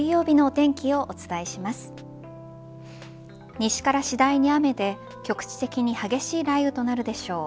西から次第に雨で局地的に激しい雷雨となるでしょう。